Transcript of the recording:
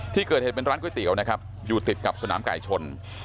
ที่เกิดเหตุเป็นร้านก๋วยเตี๋ยวนะครับอยู่ติดกับสนามไก่ชน